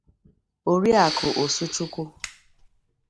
Oriakụ Osuchukwu